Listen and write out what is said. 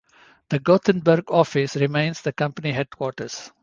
The Gothenburg office remains the company headquarters.